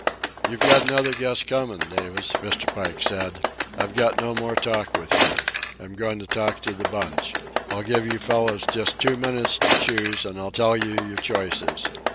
"You've got another guess comin', Davis," Mr. Pike said. "I've got no more talk with you. I'm goin' to talk to the bunch. I'll give you fellows just two minutes to choose, and I'll tell you your choices.